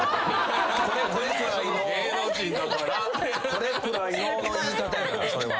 「これくらいの」の言い方やからそれは。